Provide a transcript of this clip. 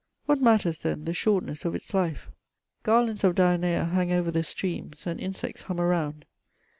What matters, then, the shortness of its life ? Garlands of Dionea hang over the streams, and insects hum around.